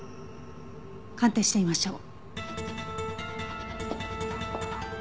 鑑定してみましょう。